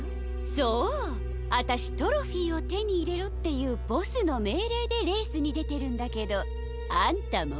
そうあたしトロフィーをてにいれろっていうボスのめいれいでレースにでてるんだけどあんたも？